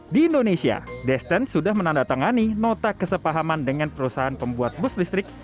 di indonesia desten sudah menandatangani nota kesepahaman dengan perusahaan pembuat bus listrik